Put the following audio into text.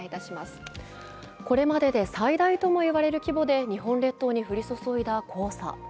これまでで最大とも言われる規模で日本列島に降り注いだ黄砂。